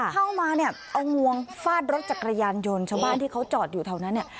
เข้ามาเนี่ยเอางวงฟาดรถจักรยานยนต์ชาวบ้านที่เขาจอดอยู่แถวนั้นเนี่ย